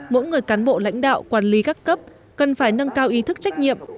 mỗi người cán bộ lãnh đạo quản lý các cấp cần phải nâng cao ý thức trách nhiệm